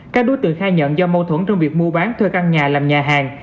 các đối tượng khai nhận do mâu thuẫn trong việc mua bán thuê căn nhà làm nhà hàng